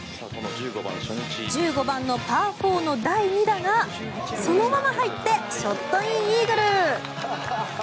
１５番のパー４の第２打がそのまま入ってショットインイーグル。